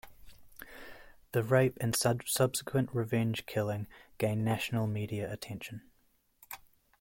The rape and subsequent revenge killing gain national media attention.